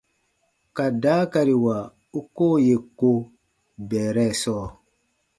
Ka daakariwa u koo yè ko bɛɛrɛ sɔɔ.